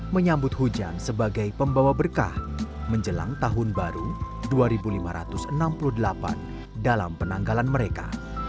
menyambut hujan sebagai pembawa berkah menjelang tahun baru dua ribu lima ratus enam puluh delapan dalam penanggalan mereka